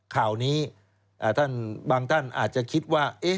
ข่าวนี้บางท่านอาจจะคิดว่า